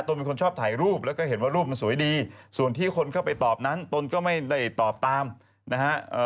เป็นคนชอบถ่ายรูปแล้วก็เห็นว่ารูปมันสวยดีส่วนที่คนเข้าไปตอบนั้นตนก็ไม่ได้ตอบตามนะฮะ